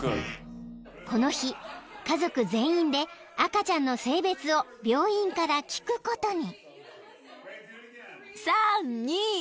［この日家族全員で赤ちゃんの性別を病院から聞くことに］